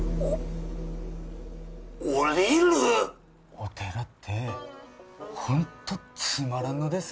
お寺ってホントつまらんのです